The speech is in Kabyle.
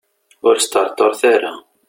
Ur sṭerṭuret ara.